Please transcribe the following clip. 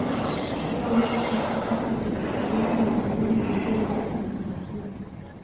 yao yote Hapa hata uhusiano wa ujirani umejaa joto na umakini